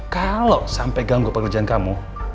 kalau sampai ganggu pekerjaan kamu